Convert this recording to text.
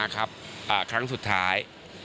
ครั้งสุดท้าย